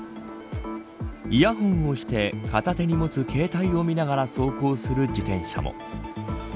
イヤホンをして片手に持つ携帯を見ながら走行する自転車も。